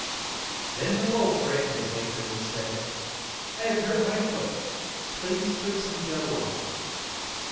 Then the wolf ran to a ba ker, and said, "I have hurt my foot ; please put some dough on it.